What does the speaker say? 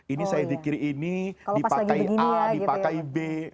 ini saya zikir ini dipakai a dipakai b